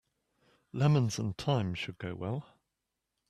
Lemons and thyme should go well.